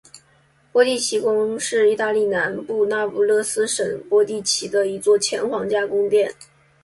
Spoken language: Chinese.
波蒂奇宫是意大利南部那不勒斯省波蒂奇的一座前皇家宫殿。